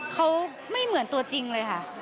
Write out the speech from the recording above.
เขาไม่เหมือนตัวจริงเลยค่ะ